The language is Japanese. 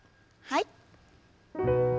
はい。